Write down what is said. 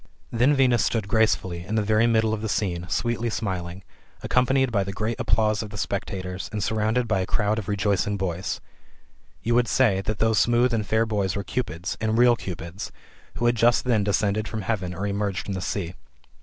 Then Venus stood gracefully, in the very middle of the scene, sweet)^ smiling, accompanied by the great applause of [ the spectators, and surrounded by a crowd of rejoicing hoys. You would say, that those smooth and fair boys were Cupids, and real Cupids, who had just then descended fiom heaven, or emerged from the sea.